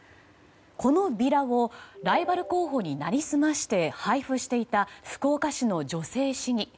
このビラを、ライバル候補に成り済まして配布していた福岡市の女性市議。